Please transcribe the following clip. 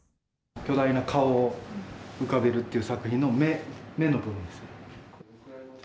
巨大な顔を浮かべるっていう作品の、目の部分です。